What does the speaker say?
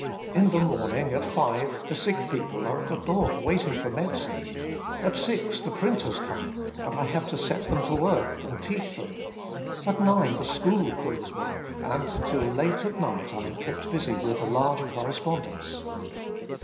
" In the morning at five the sick people are at the door waiting for medicine. At six the printers come, and I have to set them to work and teach them. At nine the school calls me, and till late at night I am kept busy with a large correspondence."